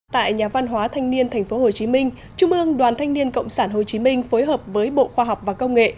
tại nhà văn hóa thanh niên tp hcm trung ương đoàn thanh niên cộng sản hồ chí minh phối hợp với bộ khoa học và công nghệ